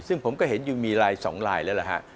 ซึ่งผมก็เห็นอยู่มีลาย๒ลายแล้วล่ะฮะ